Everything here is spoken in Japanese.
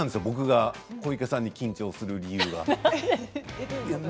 僕が小池さんに緊張する理由は。